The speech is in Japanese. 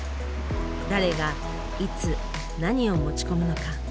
誰がいつ何を持ち込むのか。